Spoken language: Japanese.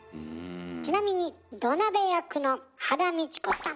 ちなみに土鍋役の羽田美智子さん。